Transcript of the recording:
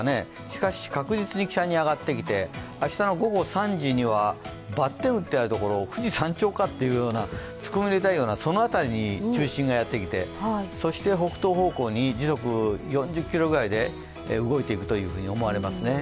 しかし、確実に北に上がってきて明日の午後３時にはバッテン打っている所、富士山頂かと突っ込み入れたいようなその辺りに中心がやってきてそして北東方向に時速４０キロぐらいで動いていくと思われますね。